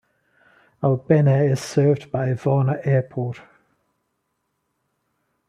Albena is served by Varna Airport.